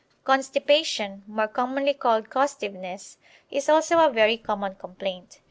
CONSTIPATION, more commonly called costiveness, is also a very common complaint.